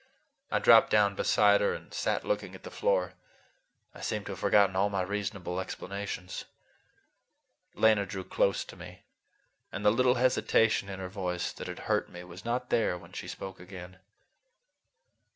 I dropped down beside her and sat looking at the floor. I seemed to have forgotten all my reasonable explanations. Lena drew close to me, and the little hesitation in her voice that had hurt me was not there when she spoke again.